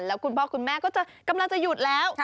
แล้วคุณพ่อคุณแม่ก็กำลังจะหยุดแล้ว